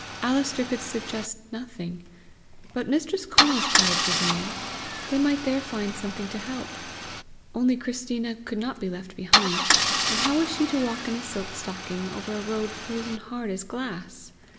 Alister could suggest nothing. But Mistress Conal's cottage was near: they might there find something to help! Only Christina could not be left behind, and how was she to walk in a silk stocking over a road frozen hard as glass?